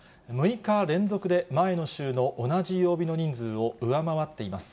６日連続で前の週の同じ曜日の人数を上回っています。